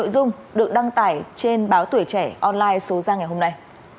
nội dung được đăng tải trên báo tuổi trẻ online số ra ngày hôm nay